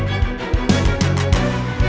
itu tak ada pintuusnya